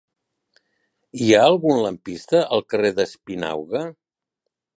Hi ha algun lampista al carrer d'Espinauga?